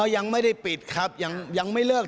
ยังไม่ได้ปิดครับยังไม่เลิก